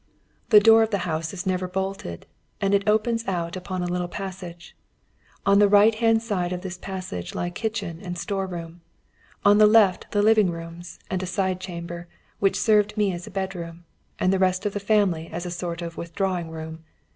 The door of the house is never bolted, and it opens out upon a little passage. On the right hand side of this passage lie kitchen and store room; on the left the living rooms, and a side chamber, which served me as a bedroom, and the rest of the family as a sort of withdrawing room.